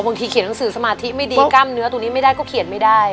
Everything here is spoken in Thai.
เขียนหนังสือสมาธิไม่ดีกล้ามเนื้อตรงนี้ไม่ได้ก็เขียนไม่ได้